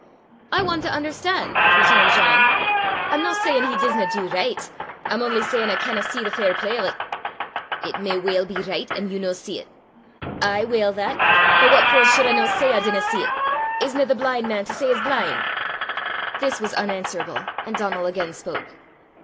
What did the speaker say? "I want to un'erstan'," returned John. "I'm no sayin' he disna du richt; I'm only sayin' I canna see the fair play o' 't." "It may weel be richt an' you no see 't!" "Ay' weel that! But what for sud I no say I dinna see 't? Isna the blin' man to say he's blin'?" This was unanswerable, and Donal again spoke.